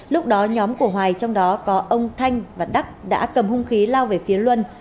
lúc đó nhóm của hoài trong đó có ông thanh và đắc đã cầm hung khí lao về phía luân